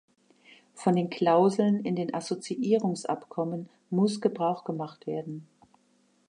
Von den Klauseln in den Assoziierungsabkommen muss Gebrauch gemacht werden.